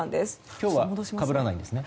今日はかぶらないんですね？